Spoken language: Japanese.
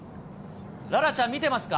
楽々ちゃん、見てますか？